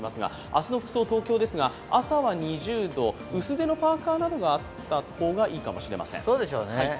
明日の服装、東京ですが、朝は２０度、薄手のパーカがあった方がいいかもしれません。